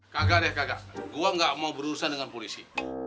kagak deh kagak gua gak mau berurusan dengan polisi